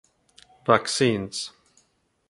Vaccines